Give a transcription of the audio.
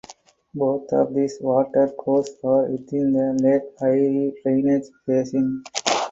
Both of these watercourses are within the Lake Eyre drainage basin.